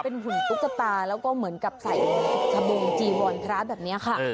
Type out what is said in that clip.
เป็นหุ่นกุ๊กตาแล้วก็เหมือนกับใส่บุงจี่วัลคร้าเบิร์ตแบบเนี่ยค่ะ